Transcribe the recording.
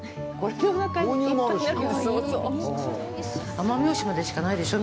奄美大島でしかないでしょう。